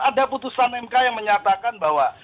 ada putusan mk yang menyatakan bahwa